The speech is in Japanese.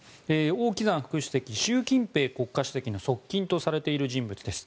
オウ・キザン副主席は習近平国家主席の側近とされている人物です。